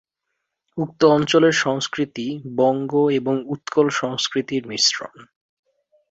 উক্ত অঞ্চলের সংস্কৃতি বঙ্গ এবং উৎকল সংস্কৃতির মিশ্রণ।